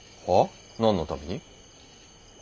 はあ？何のために？